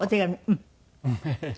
うん。